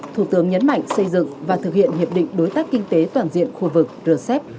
thủ tướng nhấn mạnh xây dựng và thực hiện hiệp định đối tác kinh tế toàn diện khu vực rcep